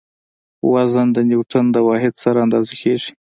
وزن د نیوټڼ د واحد سره اندازه کیږي.